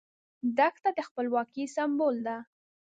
دښته د خپلواکۍ سمبول ده.